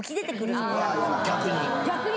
逆に？